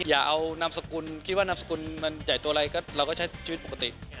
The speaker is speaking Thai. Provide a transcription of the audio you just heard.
อย่าเอานามสกุลคิดว่านามสกุลมันใหญ่ตัวอะไรเราก็ใช้ชีวิตปกติ